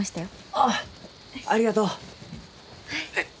ああありがとう！